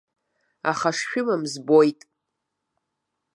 Аха шшәымам збоит.